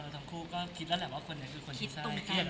แสดงว่าทั้งคู่ก็คิดแล้วแหละว่าคนเนี่ยคือคนที่ใช่